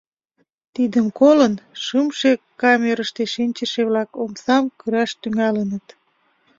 Тидым колын, шымше камерыште шинчыше-влак омсам кыраш тӱҥалыныт.